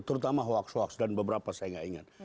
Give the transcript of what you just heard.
terutama hoaks hoaks dan beberapa saya nggak ingat